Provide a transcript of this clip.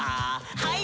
はい。